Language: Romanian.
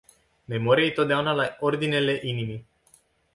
Memoria e totdeauna la ordinele inimii.